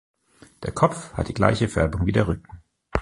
Der Kopf hat die gleiche Färbung wie der Rücken.